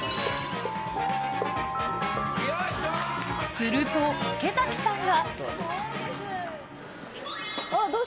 すると池崎さんが。